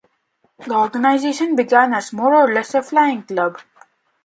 The organization began as more or less a flying club.